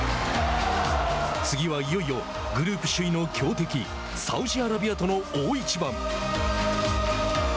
次はいよいよグループ首位の強敵サウジアラビアとの大一番。